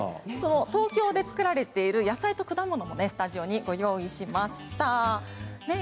東京で作られている野菜や果物をスタジオにご用意しました。